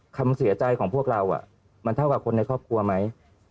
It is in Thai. คำเสียใจของพวกเรามันเท่ากับคนในครอบครัวไหม